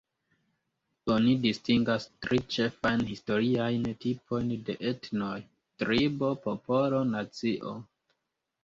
Oni distingas tri ĉefajn historiajn tipojn de etnoj: tribo, popolo, nacio.